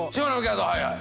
はいはい。